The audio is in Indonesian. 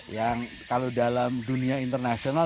yang kalau dalam dunia internasional